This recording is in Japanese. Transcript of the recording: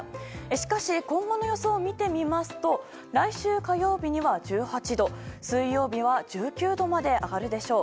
しかし今後の予想を見てみますと来週火曜日には１８度水曜日は１９度まで上がるでしょう。